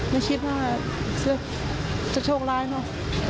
ไม่ชิดมากจะโชคล้ายเนาะ